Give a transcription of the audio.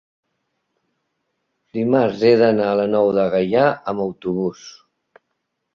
dimarts he d'anar a la Nou de Gaià amb autobús.